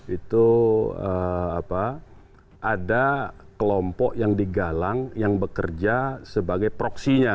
itu ada kelompok yang digalang yang bekerja sebagai proksinya